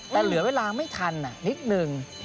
แต่เหลือเวลาไม่ทันนิดนึง